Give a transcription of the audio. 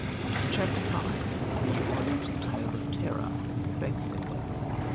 CHAPTER V THE ORIENTAL TALE OF TERROR. BECKFORD.